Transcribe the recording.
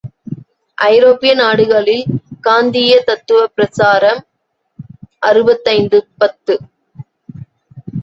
ஐரோப்பிய நாடுகளில் காந்தீய தத்துவப் பிரசாரம் அறுபத்தைந்து பத்து.